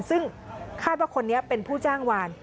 ซึ่งคาดว่าคนนี้เป็นผู้จ้างวาน